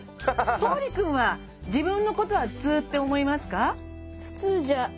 橙利くんは自分のことは普通って思いますか？